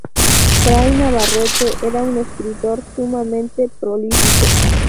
Fray Navarrete era un escritor sumamente prolífico.